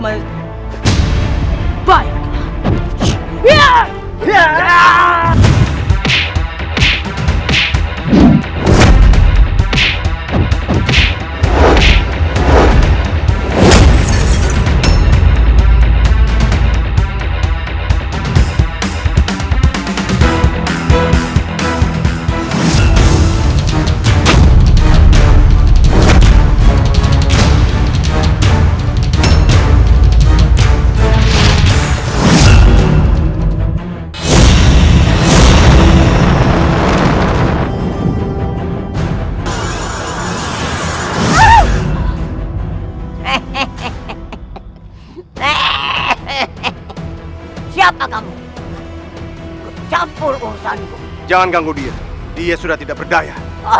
hehehe hehehe siapa kamu campur urusan jangan ganggu dia dia sudah tidak berdaya